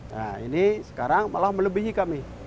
nah ini sekarang malah melebihi kami